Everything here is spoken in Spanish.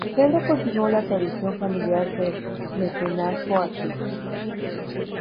Pedro continuó la tradición familiar de mecenazgo artístico.